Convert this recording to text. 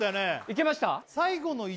いけました？